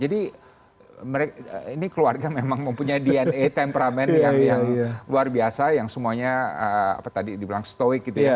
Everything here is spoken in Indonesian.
jadi ini keluarga memang mempunyai dna temperament yang luar biasa yang semuanya apa tadi dibilang stoic gitu ya